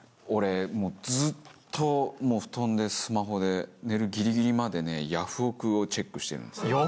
俺もうずっと布団でスマホで寝るギリギリまでねヤフオク！をチェックしてるんですよ。